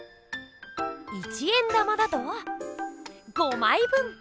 １円玉だと５まい分！